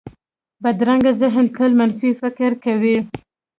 بدرنګه ذهن تل منفي فکر کوي